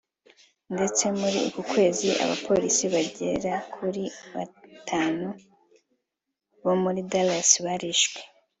ndetse muri uku kwezi abapolisi bagera kuri batanu bo muri Dallas barishwe